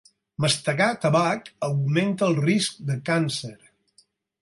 Mastegar tabac augmenta el risc de càncer.